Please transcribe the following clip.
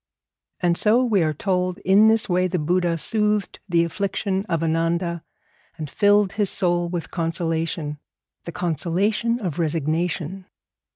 And so, we are told, in this way the Buddha soothed the affliction of Ananda, and filled his soul with consolation the consolation of resignation.